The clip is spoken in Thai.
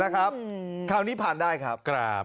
คราวนี้ผ่านได้ครับ